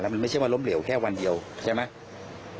มันไม่ใช่ว่าล้มเหลวแค่วันเดียวใช่ไหม